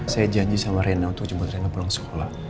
saya janji sama rena untuk cuma rena pulang sekolah